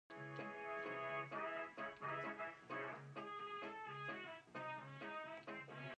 Nowadays both designers and engineers are working hard to develop this car model.